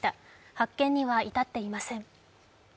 発見には至っていません。